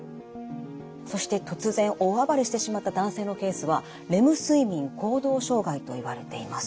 そして突然大暴れしてしまった男性のケースはレム睡眠行動障害といわれています。